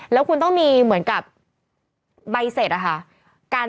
แล้วคุณต้องมีเหมือนกับใบเสร็จอะค่ะ